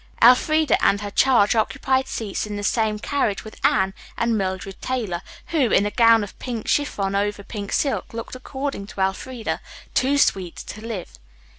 Elfreda and her charge occupied seats in the same carriage with Anne and Mildred Taylor, who, in a gown of pink chiffon over pink silk, looked, according to Elfreda, "too sweet to live."